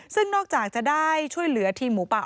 ซึ่งนอกจากจะได้ช่วยเหลือทีมหมูป่า